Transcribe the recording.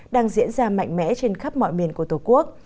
đang diễn ra mạnh mẽ trên khắp mọi miền của tổ quốc